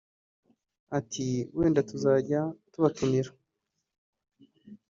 Ati “Wenda tuzajya tubatumira